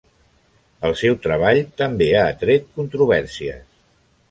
El seu treball també ha atret controvèrsies.